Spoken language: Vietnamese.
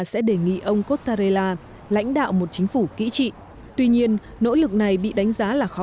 sẽ đề nghị ông cottarella lãnh đạo một chính phủ kỹ trị tuy nhiên nỗ lực này bị đánh giá là khó